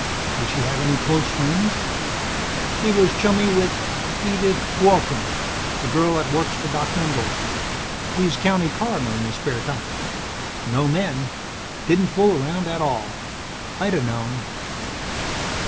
"Did she have any close friends?" "She was chummy with Edith Walton, the girl that works for Doc Mendel. He's county coroner in his spare time. No men. Didn't fool around at all. I'd a known."